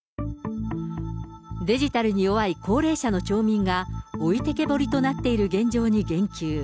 デジタルに弱い高齢者の町民が、置いてけぼりとなっている現状に言及。